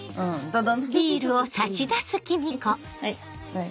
はい。